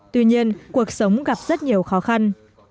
tuy nhiên cuộc sống gặp rất nhiều khó khăn